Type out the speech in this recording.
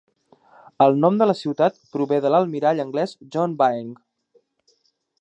El nom de la ciutat prové de l'almirall anglès John Byng.